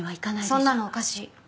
そんなのおかしい。